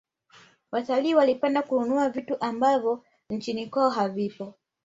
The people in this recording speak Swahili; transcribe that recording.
watalii wanapenda kununua vitu ambavyo nchini kwao havipo